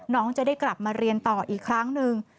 น้องจะได้กลับมาเรียนต่ออีกครั้งหนึ่ง